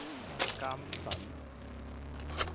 監躉